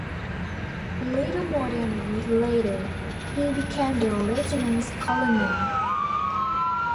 Little more than a week later, he became the regiment's colonel.